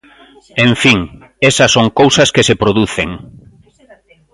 En fin, esas son cousas que se producen.